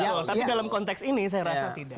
betul tapi dalam konteks ini saya rasa tidak